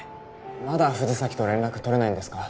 まだ藤崎と連絡とれないんですか？